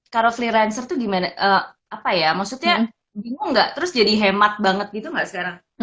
car monthly rancor tuh gimana apa ya maksudnya bingung nggak terus jadi hemat banget gitu enggak sekarang